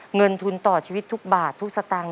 เงินทุนต่อชีวิตทุกบาททุกสตางค